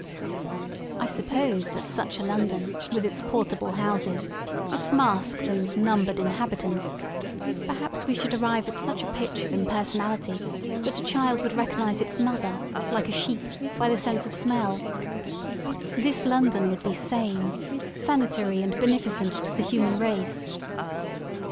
I suppose that such a London with its portable houses, itjs masked and numbered inhabitants (perhaps we should arrive at such a pitch of impersonality that a child would recognise its mother, like a sheep^ by the jicnse of smell) — this London would be sane, sanitary, and beneficent to the human race.